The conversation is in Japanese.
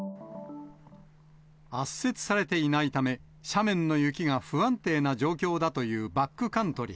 圧雪されていないため、斜面の雪が不安定な状況だというバックカントリー。